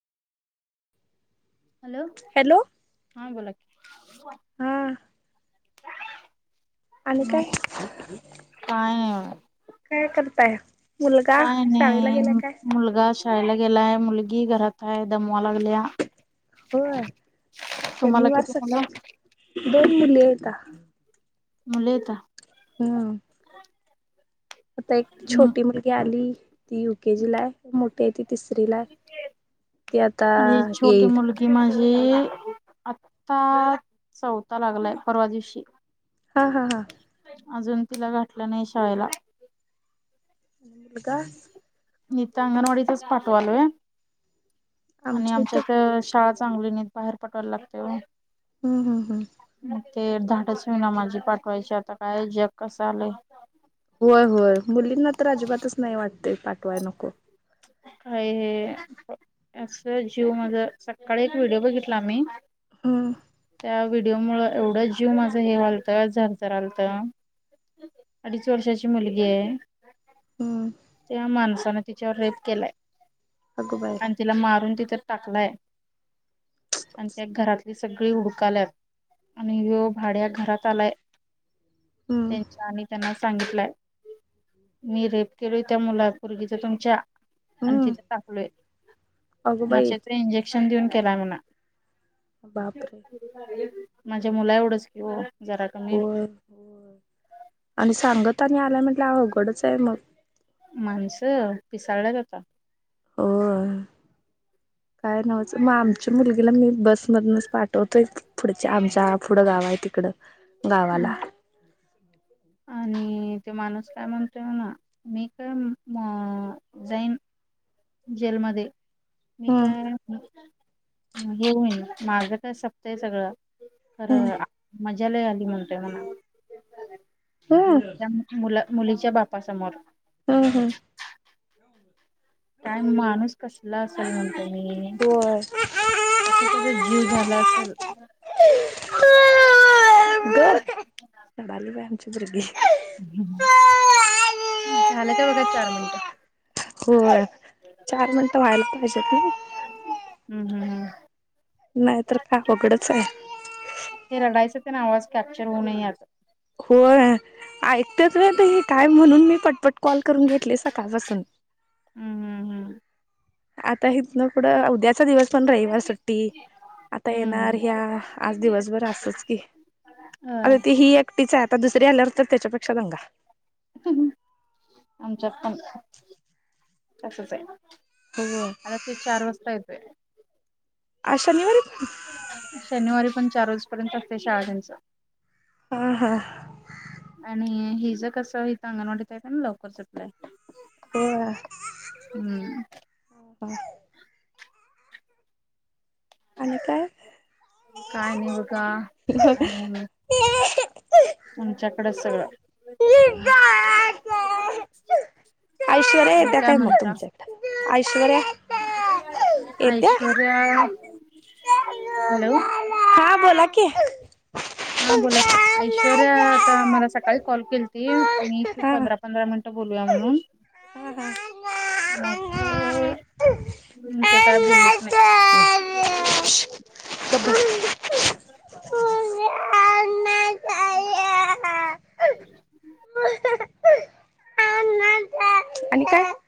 Hello, hello हा बोला क हा आणि ह काय, काय नाही काय करताय? मुलगा काय शाळेला नाही गेला काय मुलगा शाळेला गेलाय, मुल गी घरात हाय दमवा लागल्या. होय तुम्हाला शनिवार किती मुलं सकाळ ची दोन मुली हे का मुले येता हम् आता एक छोटी मुलगी आली ती युके जी लाय मोठी आहे ती तिसरी लाय ती आता येईल जी आता चौथ लागलाय परवा दिवशी हा हा हा अजून तिला गाठलं नाही शिवायला न का न तर अंगणवाडीचच पाठव आलोय आणि आमच्या इथ शाळा चांगली न बाहेर पठवायला लागते हम्म हम्म हम्म मग ते धाटच विना माझी पाठवायची आता काय जग कसं आलंय होय ते पाठवाय नको काय हे असं जीव माझ सकाळी एक व्हिडिओ बघितला आम्ही हा व्हिडिओ मुळ एवढं जीव माझं हे घलतं झरझरलत अडीच वर्षाची मुलगी आहे हम माणसान तिच्यावर रेप केलाय अगोबाई आणि तिला मारून ति टाकलाय आणि त्या घरातली सगळी हुडकाल्यात आणि व्य भाड्या घरात आलाय हम्म त्यांच्या आणि त्यांना सांगितलंय मी रेप केलो त्या मुलापुर्ग तर तुमच्या आणि हम्म तिथ टकलोय अगोबाई नक्षत्र इंजेक्शन देऊन केलाय मणा बापर माझ्या मुला एवढंच कि हो हो हो आणि सांगत आणि आला म्हटलं अवघडच आहे मग माणसं पिसाळला ज आता हो काय नव्हचं मग आमच्या मुलगीला मी बसमधूनच पाठवतोय पुढच्या आमच्या पुढं गाव आहे तिकडे गावाला आणि ते माणूस काय म्हणतो ना मी काय म जाईन जेलमध्येध्ये मी हम्म काय हेऊन माझं काय सपत आहे सगळं हम्म याला आली म्हणते म्हणा, हम्म मुलीच्या बाप समोर, हम हम, काय माणूस कसला असेल म्हणतो मी. होय असा त्याचा जीव झाला असेल, [unintelligible] झालं का बघा चार मिनटं. बर चार मिनटं व्हायला पाहिजेत ना? हम् हम् नाहीतर काय अवघडच आहे [unintelligible] आवाज कॅप्चर होऊनये हयात, होय ऐकतच होय काय म्हणून मी पटपट कॉल करून घेतले सकाळपासून, हम्म हम्म [unintelligible] आता हेतन फूड उद्याचा, दिवस पण रविवार सुट्टी, आता हम्म येणार हम्म ह्या, आज दिवसभर असच की अग, होय ती ही एकटीच आहेत. आता दुसरी आल्यावर त्याच्यापेक्षा दंगा. आमच्यात पण असचं आहे. हो आता ते चार वाजता येतंय, आ शनिवारी, [unintelligible] शनिवारी पण चार रोजपर्यंत असते, शाळा त्यांचं हा हा, आणि हि ज कसं इथं अंगणवाडीत आहे, कानी लवकरच सुटतंय. होय, [unintelligible] आणि काय काय नाही बघा [unintelligible] तुमच्या कड सगळं. [unintelligible] ऐश्वर्या आणि येत्या काय मग म्हणता तुमच्या कडं ऐश्वर्या, येत्या [unintelligible] ऐश्वर्या हॅलो [unintelligible] हा बोला कि हा बोला क ऐश्वर्या आता हा मला सकाळी कॉल केलीती, मी तू पंधरा पंधरा मिनट, बोलूया म्हणून, [unintelligible] मग हम् ते काय बोललेच नाही. [unintelligible] [unintelligible] [unintelligible] बस [unintelligible] आणि काय?